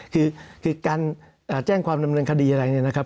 คือการแจ้งความดำเนินคดีอะไรเนี่ยนะครับ